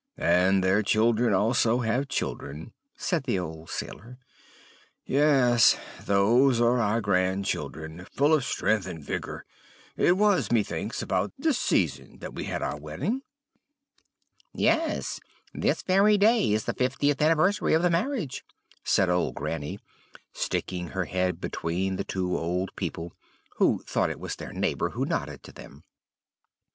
"'And their children also have children,' said the old sailor; 'yes, those are our grand children, full of strength and vigor. It was, methinks about this season that we had our wedding.' "'Yes, this very day is the fiftieth anniversary of the marriage,' said old Granny, sticking her head between the two old people; who thought it was their neighbor who nodded to them.